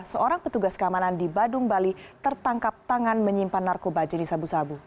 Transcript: seorang petugas keamanan di badung bali tertangkap tangan menyimpan narkoba jenis sabu sabu